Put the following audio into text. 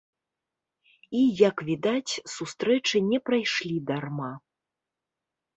І, як відаць, сустрэчы не прайшлі дарма.